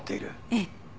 ええ。